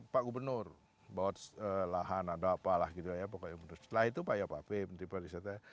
pak gubernur buat lahan ada apalah gitu ya pokoknya setelah itu pak yopaveh menteri pariwisata